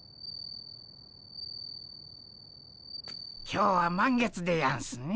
今日は満月でやんすね。